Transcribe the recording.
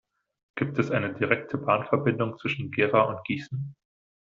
Gibt es eine direkte Bahnverbindung zwischen Gera und Gießen?